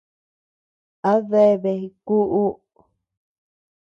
A deabea kuʼu.